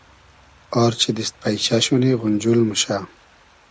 آر چی دیست پݷچۂ شونی غونجول موشۂ